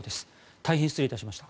大変失礼いたしました。